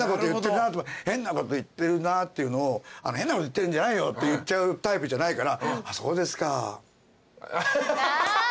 変なこと言ってるなっていうのを「変なこと言ってるんじゃないよ」って言っちゃうタイプじゃないから。